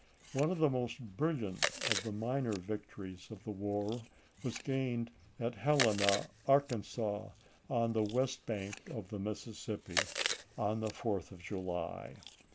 One of the most brilliant of the minor victories of the war was gained at Helena, Arkan sas, on the west bank of the Mississippi, on the 4th of July.